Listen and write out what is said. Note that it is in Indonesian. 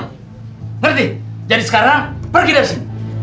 ngerti jadi sekarang pergi dari sini